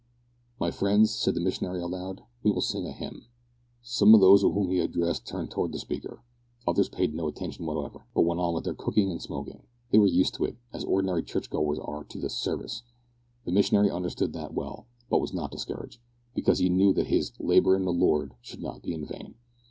"My friends," said the missionary aloud, "we will sing a hymn." Some of those whom he addressed turned towards the speaker; others paid no attention whatever, but went on with their cooking and smoking. They were used to it, as ordinary church goers are to the "service." The missionary understood that well, but was not discouraged, because he knew that his "labour in the Lord" should not be in vain.